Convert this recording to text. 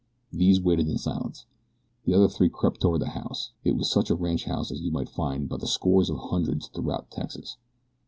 These waited in silence. The other three crept toward the house. It was such a ranchhouse as you might find by the scores or hundreds throughout Texas.